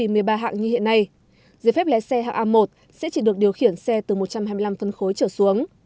giấy phép lái xe hạng a một sẽ chỉ được điều khiển xe từ một trăm hai mươi năm phân khối trở xuống